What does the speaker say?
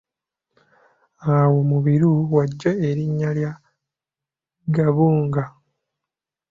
Awo Mubiru w'aggya erinnya lya Gabunga.